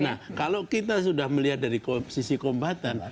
nah kalau kita sudah melihat dari sisi kombatan